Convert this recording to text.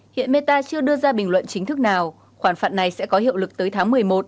hiện meta chưa đưa ra bình luận chính thức nào khoản phạt này sẽ có hiệu lực tới tháng một mươi một